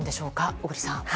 小栗さん。